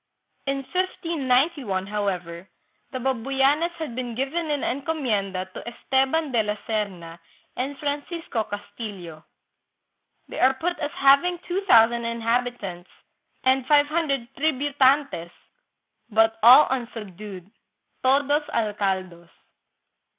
In 1591, however, the Babuyanes had been given in encomienda to Esteban de la Serna and Francisco Castillo. They are put as having two thou sand inhabitants and five hundred " tributantes," but all unsubdued ("todos algados").